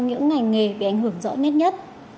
những ngành nghề bị ảnh hưởng rõ nhất